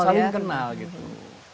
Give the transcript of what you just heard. saling kenal gitu